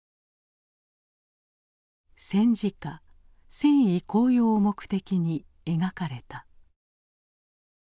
戦時下戦意高揚を目的に描かれた。